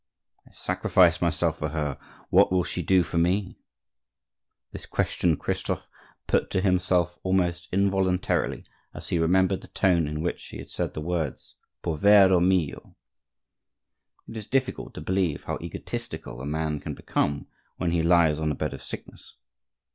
"I sacrificed myself for her; what will she do for me?" This question Christophe put to himself almost involuntarily as he remembered the tone in which she had said the words, Povero mio! It is difficult to believe how egotistical a man can become when he lies on a bed of sickness.